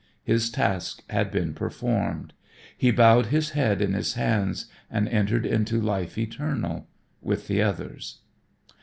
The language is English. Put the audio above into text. His task had been performed. He bowed his head in his hands and entered into life eternal with the others.